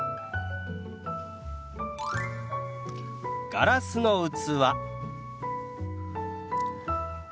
「ガラスの器」。